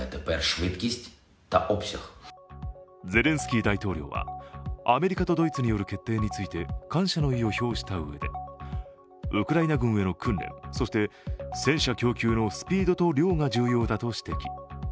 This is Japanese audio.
ゼレンスキー大統領は、アメリカとドイツによる決定について感謝の意を表したうえでウクライナ軍への訓練、そして戦車供給のスピードと量が重要だと指摘。